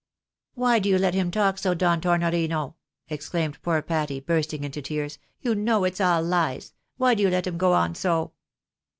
" Why do you let him talk so, Don Tornorino ?" exclaimed poor Patty, bursting into tears. 'Tou know it's all lies ! Why do you let him go on so?